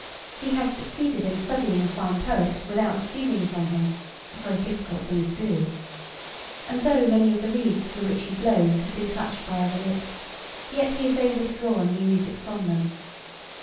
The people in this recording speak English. He has succeeded in studying a fine poet without stealing from him a very difficult thing to do and though many of the reeds through which he blows have been touched by other lips, yet he is able to draw new music from them.